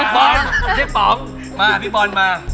พี่ปอร์มมาเข้าพี่ปอร์มมา